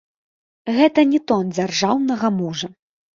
Гэта не тон дзяржаўнага мужа.